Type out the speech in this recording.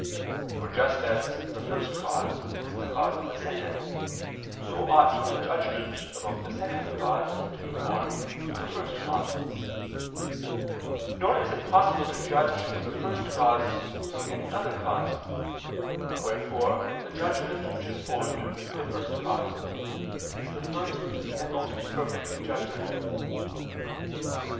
For just as the first cause is the cause of the second, so ought the judgment about the second cause to be formed through the first cause: nor is it possible to judge of the first cause through any other cause; wherefore the judgment which is formed through the first cause, is the first and most perfect judgment.